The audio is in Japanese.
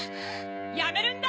・やめるんだ！